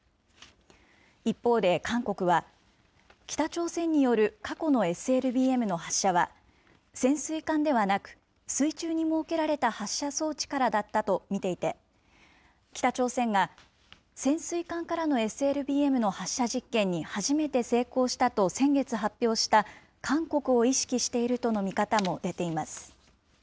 一方で韓国は、北朝鮮による過去のＳＬＢＭの発射は、潜水艦ではなく、水中に設けられた発射装置からだったと見ていて、北朝鮮が潜水艦からのＳＬＢＭの発射実験に初めて成功したと先月発表した韓国を意識しているとの見方も出ています。